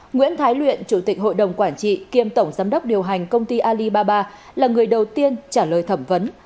nguyễn thái luyện chủ tịch hội đồng quản trị kiêm tổng giám đốc điều hành công ty alibaba là người đầu tiên trả lời thẩm vấn